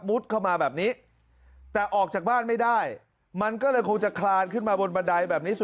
เข้ามาแบบนี้แต่ออกจากบ้านไม่ได้มันก็เลยคงจะคลานขึ้นมาบนบันไดแบบนี้